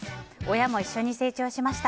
親も一緒に成長しました。